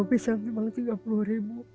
dibangun sampai tiga puluh ribu lima puluh ribu